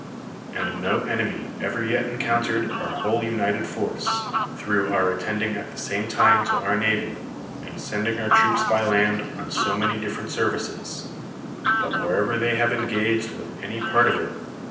And no enemy ever yet encountei'ed our whole united force, thi ough our attending at the same time to our navy, and sending our troops by land on so many different services: but wherever they have engaged with any part of it.